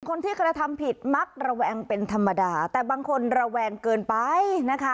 คนที่กระทำผิดมักระแวงเป็นธรรมดาแต่บางคนระแวงเกินไปนะคะ